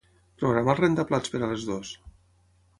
Programa el rentaplats per a les dues.